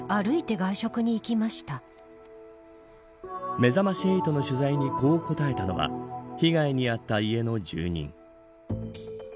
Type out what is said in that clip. めざまし８の取材にこう答えたのは被害に遭った家の住人。